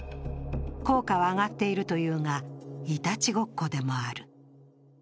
効果は上がっているというがいたちごっこでもある。